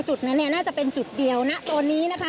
จุดนั้นเนี่ยน่าจะเป็นจุดเดียวนะตอนนี้นะคะ